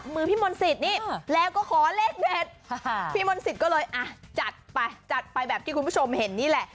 พี่มนต์สิทธิ์นี่แล้วก็ขอเลขเด็ดพี่มนต์สิทธิ์ก็เลยอ่ะจัดไปจัดไปแบบที่คุณผู้ชมเห็นนี่แหละ